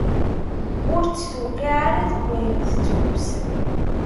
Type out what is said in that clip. Ur tt-tewqiɛ ara deg ayen tettlus.